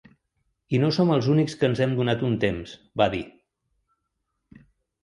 I no som els únics que ens hem donat un temps, va dir.